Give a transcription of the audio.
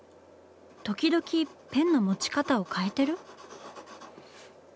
時々ペンの持ち方を変えてる？